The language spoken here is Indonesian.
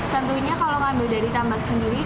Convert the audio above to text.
tentunya kalau ngambil dari tambak sendiri